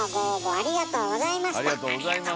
ありがとうございます。